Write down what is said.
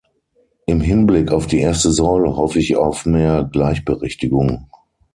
Im Hinblick auf die erste Säule hoffe ich auf mehr Gleichberechtigung.